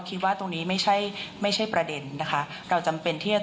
คิดว่าตรงนี้ไม่ใช่ไม่ใช่ประเด็นนะคะเราจำเป็นที่จะ